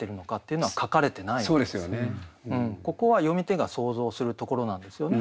ここは読み手が想像するところなんですよね。